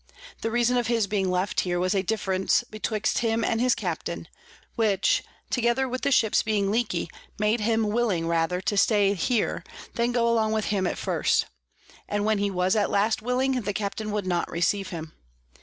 The reason of his being left here was a difference betwixt him and his Captain; which, together with the Ships being leaky, made him willing rather to stay here, than go along with him at first; and when he was at last willing, the Captain would not receive him.